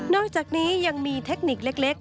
อกจากนี้ยังมีเทคนิคเล็ก